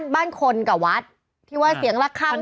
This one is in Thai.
บ้านคนกับวัดที่ว่าเสียงละคัง